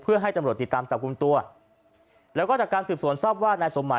เพื่อให้ตำรวจติดตามจับกลุ่มตัวแล้วก็จากการสืบสวนทราบว่านายสมหมาย